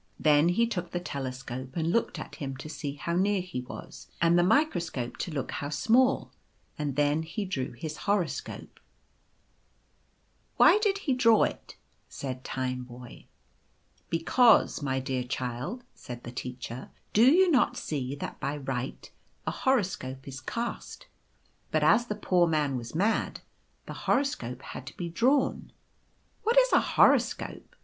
Then he took the telescope and looked at him to see how near he was, and the microscope to look how small ; and then he drew his horoscope/' " Why did he draw it ?" said Tineboy. " Because, my dear child," said the Teacher, " do you not see that by right a horoscope is cast ; but as the poor man was mad the horoscope had to be drawn." " IVhat is a horror scope?"